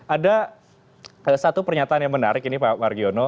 ada satu pernyataan yang menarik ini pak margiono